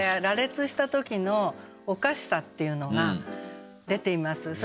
羅列した時のおかしさっていうのが出ています。